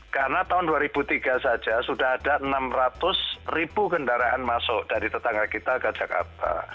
karena tahun dua ribu tiga saja sudah ada enam ratus ribu kendaraan masuk dari tetangga kita ke jakarta